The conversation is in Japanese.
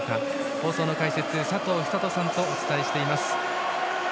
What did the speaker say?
放送の解説、佐藤寿人さんとお伝えしています。